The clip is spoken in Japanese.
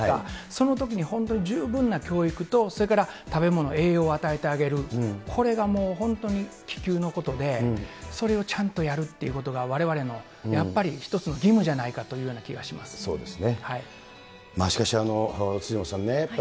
そのときに本当に十分な教育と、それから食べ物、栄養を与えてあげる、これがもう、本当に危急のことでそれをちゃんとやる、われわれの、やっぱり一つの義務じゃないかというような気がします。